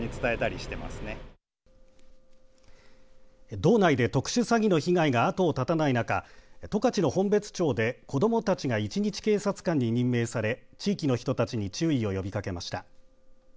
道内で特殊詐欺の被害が後を絶たない中十勝の本別町で子どもたちが一日警察官に任命され地域の人たちに注意を呼びかけました。